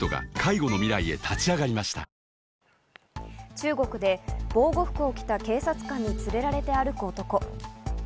中国で防護服を着た警察官に連れられて歩く男。